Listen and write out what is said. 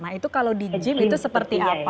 nah itu kalau di gym itu seperti apa